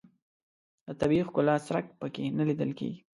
د طبیعي ښکلا څرک په کې نه لیدل کېږي.